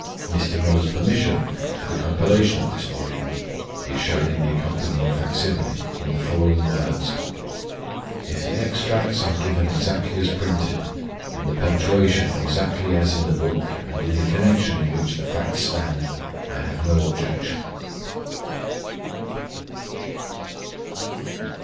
Mr. Müller's permission for the compilation of this volume is shown in the accompanying facsimile, (see p. 2), in the following words: "If the extracts are given exactly as printed, and the punctuation exactly as in the book and in the connection in which the facts stand, I have no objection."